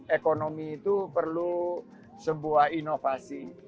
ekonomi itu perlu sebuah inovasi